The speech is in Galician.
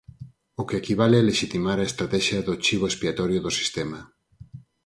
O que equivale a lexitimar a estratexia do chibo expiatorio do sistema.